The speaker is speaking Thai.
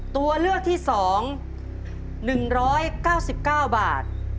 ตัวเลือกที่๒๑๙๙บาท